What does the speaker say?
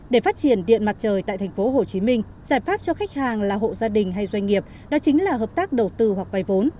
để phát triển điện mặt trời tại tp hcm giải pháp cho khách hàng là hộ gia đình hay doanh nghiệp đó chính là hợp tác đầu tư hoặc vay vốn